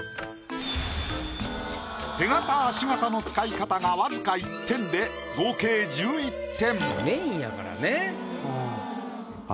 手形足形の使い方が僅か１点で合計１１点。